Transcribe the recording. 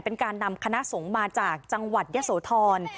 เป็นการนำคณะสงฆ์มาจากจังหวัดยะโสธร